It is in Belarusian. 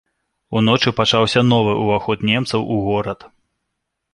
Уночы пачаўся новы ўваход немцаў у горад.